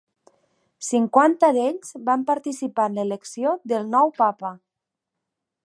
Cinquanta d'ells van participar en l'elecció del nou Papa.